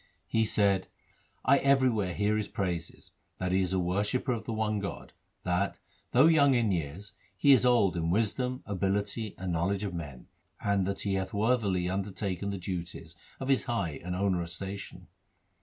He said, ' I everywhere hear his praises — that he is a worshipper of the one God ; that, though young in years, he is old in wisdom, ability, and knowledge of men ; and that he hath worthily undertaken the duties of his high and onerous station.'